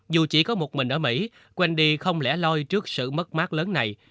dù chỉ có một mình ở mỹ wendy không lẻ loi trước sự mất mát lớn này